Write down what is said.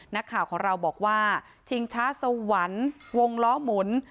นักข่าวของเราบอกว่าชิงช้าสวรรค์วงล้อหมุน